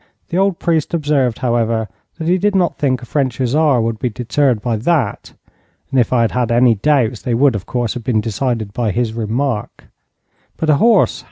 The old priest observed, however, that he did not think a French hussar would be deterred by that, and if I had had any doubts, they would of course have been decided by his remark. But a horse!